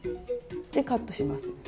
カットします。